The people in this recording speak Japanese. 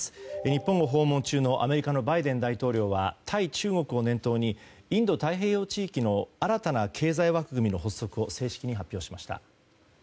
日本を訪問中のアメリカのバイデン大統領は対中国を念頭にインド太平洋地域の新たな経済枠組みの発足を正式に発表しました。